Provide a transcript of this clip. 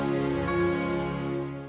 ibu yang menjaga saya